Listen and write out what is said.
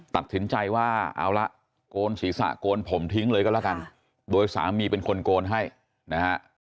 ตัดสินใจว่าเอาละโกนศีรษะโกนผมทิ้งเลยก็แล้วกันโดยสามีเป็นคนโกนให้นะฮะ